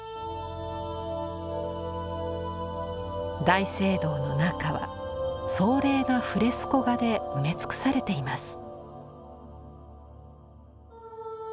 大聖堂の中は壮麗なフレスコ画で埋め尽くされています。